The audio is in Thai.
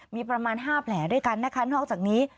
มีประมาณ๕แผลค่ะหลังจากนี้